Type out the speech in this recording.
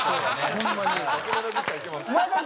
ホンマに。